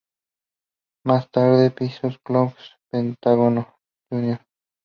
Más tarde Psycho Clown, Pentagón Jr.